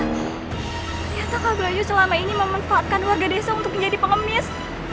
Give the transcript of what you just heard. ternyata kak belayu selama ini memanfaatkan warga desa untuk menjadi pengemis